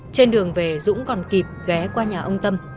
trên đường về dũng còn kịp ghé qua nhà ông tâm